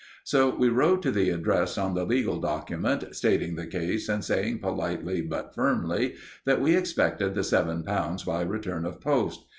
So we wrote to the address on the legal document, stating the case and saying politely, but firmly, that we expected the seven pounds by return of post.